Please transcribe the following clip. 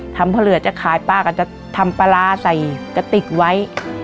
ทำเผลอจะขายปลาก็จะทำปลาใส่กระติกไว้